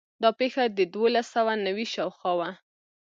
دا پېښه د دولس سوه نوي شاوخوا وه.